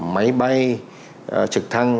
máy bay trực thăng